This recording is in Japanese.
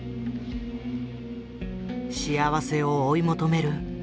幸せを追い求める